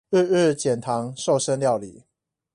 日日減醣瘦身料理